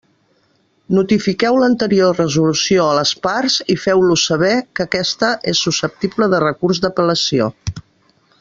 Notifiqueu l'anterior resolució a les parts i feu-los saber que aquesta és susceptible de recurs d'apel·lació.